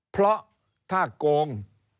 เพราะถ้าโกง